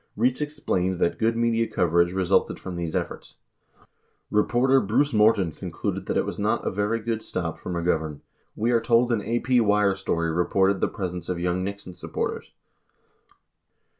Rietz explained that good media coverage resulted from these efforts :Reporter Bruce Morton concluded that it was not a very good stop [for McGovern] . We are told an AP wire story reported the presence of young Nixon supporters.